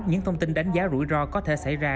những thông tin đánh giá rủi ro có thể xảy ra